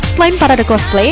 selain parade kosle